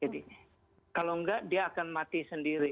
jadi kalau enggak dia akan mati sendiri